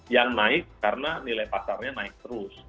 yang naik karena nilai pasarnya naik terus